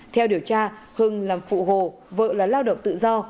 theo điều tra hưng làm phụ hồ vợ là lao động tự do